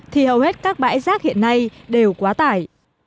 thì hầu hết các bãi rác hiện nay đều quá tải